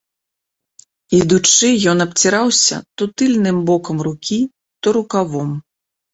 Ідучы, ён абціраўся то тыльным бокам рукі, то рукавом.